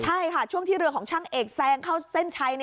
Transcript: ใช่ค่ะช่วงที่เรือของช่างเอกแซงเข้าเส้นชัย